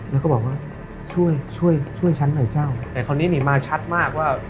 แล้วก็บอกว่าช่วยช่วยฉันหน่อยเจ้าแต่คราวนี้นี่มาชัดมากว่า